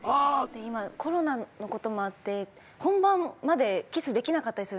今コロナのこともあって本番までキスできなかったりする。